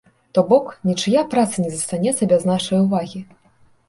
То бок, нічыя праца не застанецца без нашай увагі.